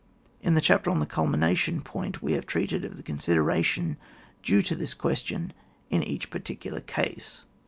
In the chapter on the culmination point we have treated of the consideration due to this question in each particular case.